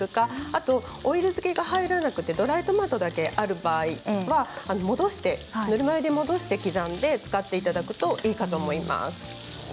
あとはオイル漬けが手に入らなくてドライトマトだけある場合は戻して、刻んで使っていただくといいかと思います。